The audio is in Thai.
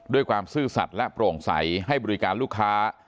ซื่อสัตว์และโปร่งใสให้บริการลูกค้า